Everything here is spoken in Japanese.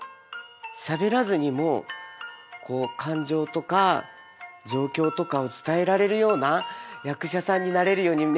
しゃべらずにも感情とか状況とかを伝えられるような役者さんになれるようにね